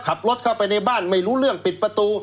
ขับรถเข้าไปในบ้านไม่รู้เรื่องปิดประตู